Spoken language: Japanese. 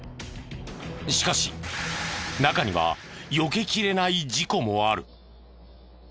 しかし中には避けきれない事故もある。